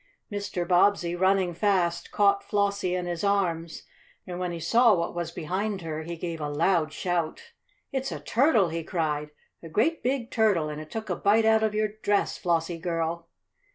Mr. Bobbsey, running fast, caught Flossie in his arms, and when he saw what was behind her he gave a loud shout. "It's a turtle!" he cried. "A great, big turtle, and it took a bite out of your dress, Flossie girl!"